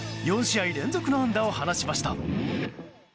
４試合連続の安打を放ちました。